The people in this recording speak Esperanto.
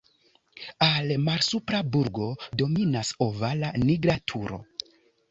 Al "Malsupra burgo" dominas ovala "Nigra turo".